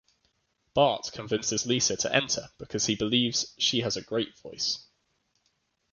Bart convinces Lisa to enter because he believes she has a great voice.